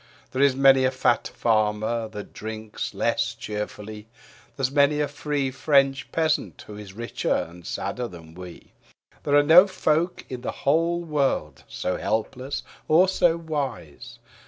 There is many a fat farmer that drinks less cheerfully, There is many a free French peasant who is richer and sadder than we. There are no folk in the whole world so helpless or so wise.